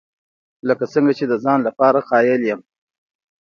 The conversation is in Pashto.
لکه څنګه چې د ځان لپاره قایل یم.